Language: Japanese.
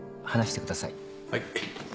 はい。